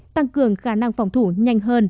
tăng cường khả năng phòng thủ nhanh hơn